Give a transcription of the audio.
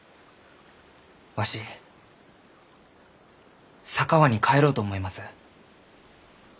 わし佐川に帰ろうと思います。